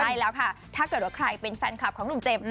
ใช่แล้วค่ะถ้าเกิดว่าใครเป็นแฟนคลับของหนุ่มเจมส์